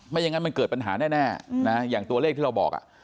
อย่างนั้นมันเกิดปัญหาแน่นะอย่างตัวเลขที่เราบอก